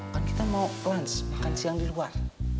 kan kita mau lunch makan siang di luar